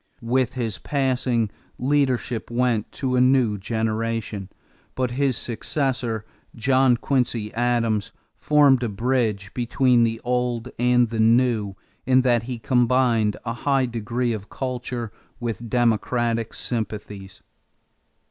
With his passing, leadership went to a new generation; but his successor, John Quincy Adams, formed a bridge between the old and the new in that he combined a high degree of culture with democratic sympathies.